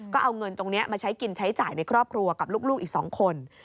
ก็เอาเงินตรงนี้มาใช้กินใช้จ่ายในครอบครัวกับลูกอีก๒คน